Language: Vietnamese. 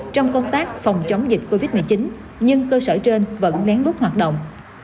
trong công tác phòng chống dịch covid một mươi chín nhưng cơ sở trên vẫn nén lút hoạt động